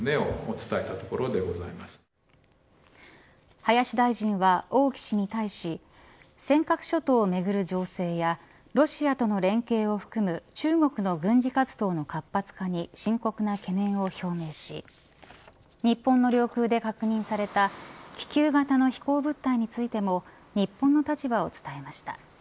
林大臣は王毅氏に対し尖閣諸島をめぐる情勢やロシアとの連携を含む中国の軍事活動の活発化に深刻な懸念を表明し日本の領空で確認された気球型の飛行物体についても日本の立場を伝えました。